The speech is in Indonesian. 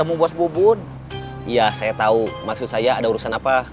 iya saya tahu maksud saya ada urusan apa